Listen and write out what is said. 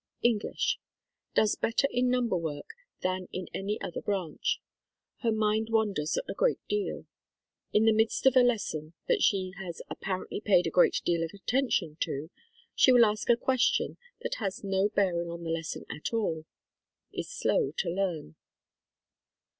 ENGLISH. Does better in number work than in any other branch. Her mind wanders a great deal. In the midst of a lesson, that she has apparently paid a great deal of attention to, she will ask a question that has no bearing on the lesson at all. Is slow to learn.